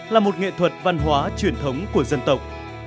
là một nghệ thuật văn hóa truyền thống của dân tộc